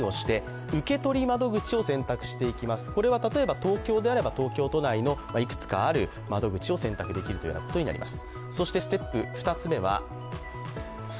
例えば東京であれば東京都内にいくつかある窓口を選択できるようになるということです。